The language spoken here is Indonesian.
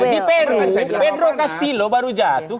di peru pedro castil baru jatuh